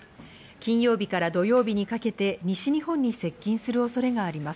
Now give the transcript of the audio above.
金曜日から土曜日にかけて西日本に接近する恐れがあります。